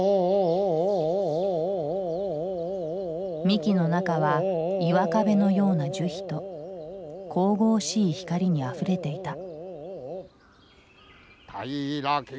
幹の中は岩壁のような樹皮と神々しい光にあふれていた。